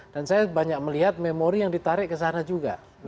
dan saya banyak melihat memori yang ditarik ke sana juga